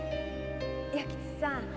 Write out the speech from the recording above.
弥吉さん